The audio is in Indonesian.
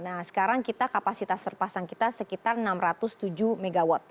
nah sekarang kita kapasitas terpasang kita sekitar enam ratus tujuh mw